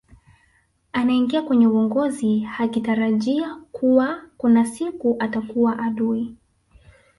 anaingia kwenye uongozi hakitarajia kuwa kuna siku atakua adui